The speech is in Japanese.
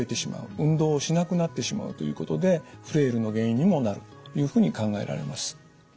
運動をしなくなってしまうということでフレイルの原因にもなるというふうに考えられます。